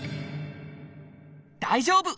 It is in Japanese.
大丈夫！